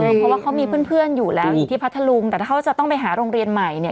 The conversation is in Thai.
เพราะว่าเขามีเพื่อนอยู่แล้วอยู่ที่พัทธลุงแต่ถ้าเขาจะต้องไปหาโรงเรียนใหม่เนี่ย